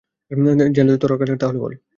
Jazz, যদি তোর টাকা লাগে তাহলে বল।